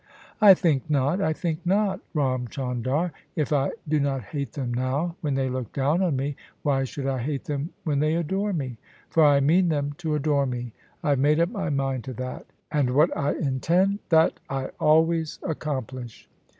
" I think not: I think not, Ram Chandar. If I do not hate them now when they look down on me, why should I hate them when they adore me? For I mean them to adore me: I have made up my mind to that: and what I intend, that I always accomplish."